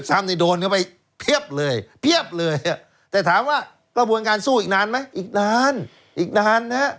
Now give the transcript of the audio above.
กระทืบซ้ำ